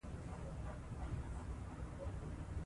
که نجونې ښوونځي ته لاړې شي نو ځنګلونه به نه وهل کیږي.